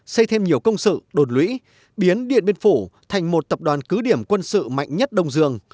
xây thêm nhiều công sự đột lũy biến điện biên phủ thành một tập đoàn cứ điểm quân sự mạnh nhất đông dương